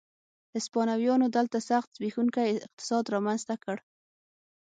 هسپانویانو دلته سخت زبېښونکی اقتصاد رامنځته کړ.